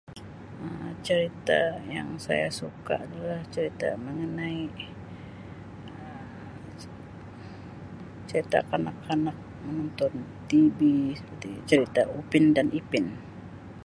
Um Cerita yang saya suka adalah cerita mengenai Um cerita kanak-kanak, menonton tv di cerita upin dan ipin.